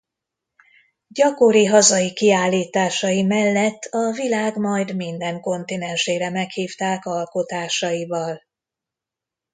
Gyakori hazai kiállításai mellett a világ majd minden kontinensére meghívták alkotásaival.